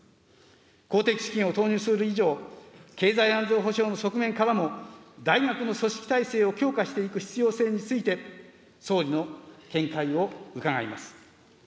公的資金を投入する以上、経済安全保障の側面からも、大学の組織体制を強化していく必要性について、総理の見解を伺います。